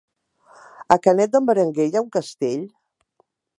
A Canet d'en Berenguer hi ha un castell?